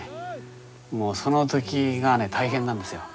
もうその時がね大変なんですよ。